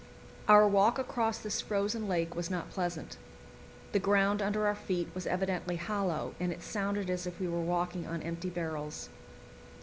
Our walk across this frozen lake was not pleasant. The ground under our feet was evidently hollow, and it sounded as if we were walking on empty barrels.